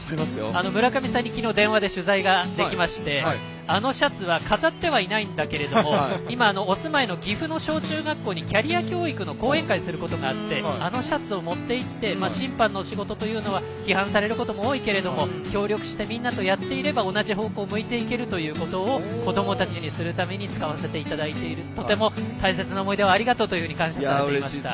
昨日、村上さんに電話取材ができましてあのシャツは飾ってはいないんだけども今、お住まいの岐阜の小中学校にキャリア教育の講演会をすることがあってあのシャツを持っていって審判の仕事というのは批判されることも多いけれども協力してみんなでやっていけば同じ方向を向いていけるということを子どもたちに説明するために使わせていただいていて大切な思い出をありがとうと感謝されていました。